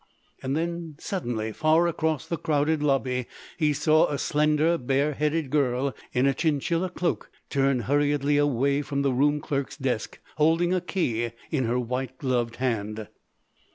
Then, suddenly, far across the crowded lobby, he saw a slender, bare headed girl in a chinchilla cloak turn hurriedly away from the room clerk's desk, holding a key in her white gloved hand.